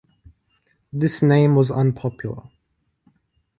This name was unpopular.